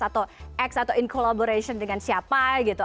atau x atau in collaboration dengan siapa gitu